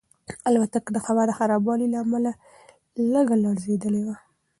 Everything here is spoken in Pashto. الوتکه د هوا د خرابوالي له امله لږه لړزېدلې وه.